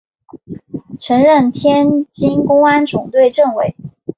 曾任天津公安总队政委。